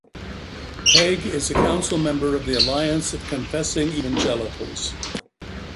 Begg is a Council member of the Alliance of Confessing Evangelicals.